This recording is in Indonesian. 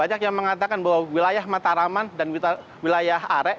banyak yang mengatakan bahwa wilayah mataraman dan wilayah arek